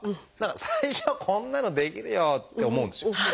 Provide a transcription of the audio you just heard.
最初はこんなのできるよって思うんですよ。